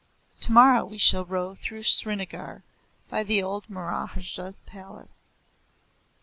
Tomorrow we shall row through Srinagar, by the old Maharaja's palace."